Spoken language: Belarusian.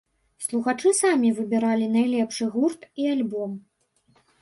Слухачы самі выбіралі найлепшы гурт і альбом.